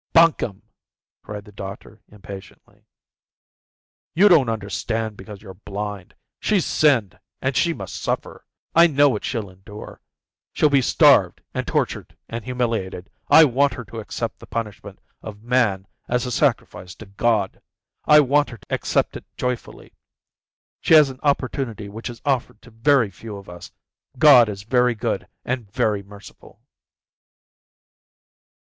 "Bunkum," cried the doctor impatiently. "You don't understand because you're blind. She's sinned, and she must suffer. I know what she'll endure. She'll be starved and tortured and humiliated. I want her to accept the punishment of man as a sacrifice to God. I want her to accept it joyfully. She has an opportunity which is offered to very few of us. God is very good and very merciful."